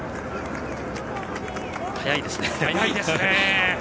速いですね。